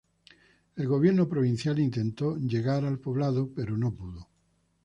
El gobierno provincial intentó llegar al poblado pero no pudo.